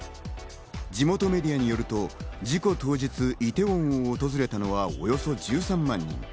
地元メディアによると、事故当日、イテウォンを訪れたのはおよそ１３万人。